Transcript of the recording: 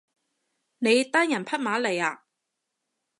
你單人匹馬嚟呀？